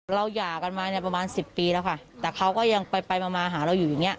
หย่ากันมาเนี่ยประมาณสิบปีแล้วค่ะแต่เขาก็ยังไปไปมามาหาเราอยู่อย่างเงี้